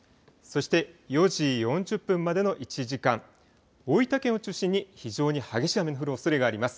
そして、４時４０分までの１時間大分県を中心に非常に激しい雨の降るおそれがあります。